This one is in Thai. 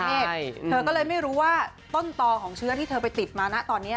เธอก็เลยไม่รู้ว่าต้นต่อของเชื้อที่เธอไปติดมานะตอนนี้